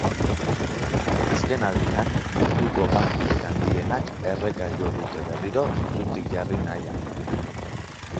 Azkenaldian munduko bankurik handienak erreka jo dute berriro zutik jarri nahian.